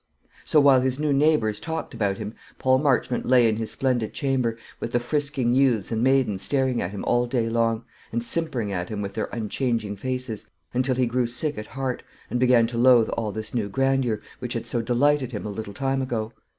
So, while his new neighbours talked about him, Paul Marchmont lay in his splendid chamber, with the frisking youths and maidens staring at him all day long, and simpering at him with their unchanging faces, until he grew sick at heart, and began to loathe all this new grandeur, which had so delighted him a little time ago.